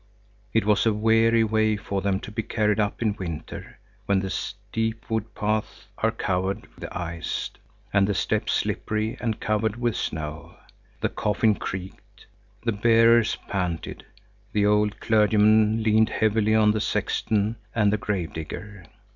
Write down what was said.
It was a weary way for them to be carried up in winter, when the steep wood paths are covered with ice, and the steps slippery and covered with snow. The coffin creaked; the bearers panted; the old clergyman leaned heavily on the sexton and the grave digger.